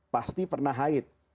pasti pernah haid